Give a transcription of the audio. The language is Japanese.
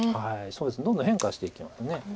そうですねどんどん変化していきます。